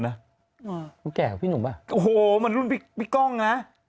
นะอ่ามันแก่กับพี่หนุ่มป่ะโอ้โหมันรุ่นพี่พี่กล้องน่ะ